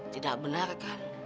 tidak benar kan